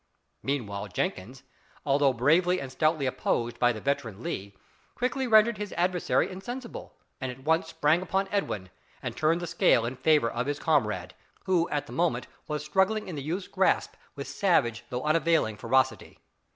Meanwhile Jenkins, although bravely and stoutly opposed by the veteran Lee, quickly rendered his adversary insensible, and at once sprang upon Edwin, and turned the scale in favour of his comrade, who at the moment was struggling in the youth's grasp with savage though unavailing ferocity.